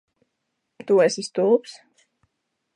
Tu esi stulbs?